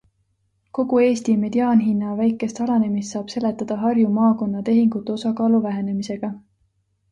Kogu Eesti mediaanhinna väikest alanemist saab seletada Harju maakonna tehingute osakaalu vähenemisega.